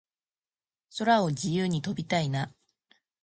空を自由に飛びたいな